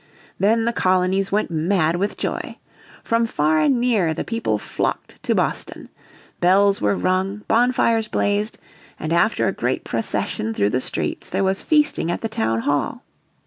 Then the colonies went mad with joy. From far and near the people flocked to Boston. Bells were rung, bonfires blazed, and after a great procession through the streets there was feasting at the Townhall.